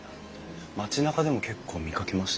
町なかでも結構見かけました。